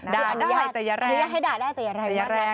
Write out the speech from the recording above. ด่าได้แต่อย่าแรง